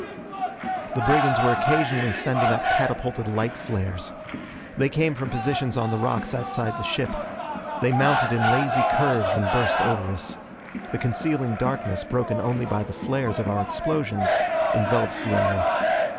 The brigands were occasionally sending up catapulted light flares. They came from positions on the rocks outside the ship. They mounted in lazy curves and burst over us. The concealing darkness, broken only by the flares of our explosions, enveloped the enemy.